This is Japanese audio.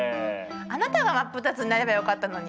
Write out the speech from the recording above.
あなたが真っ二つになればよかったのに。